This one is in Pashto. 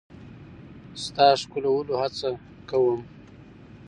ستا ښکلولو هڅه ځکه کوم.